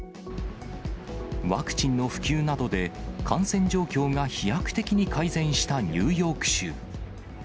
ワクチンの普及などで、感染状況が飛躍的に改善したニューヨーク州。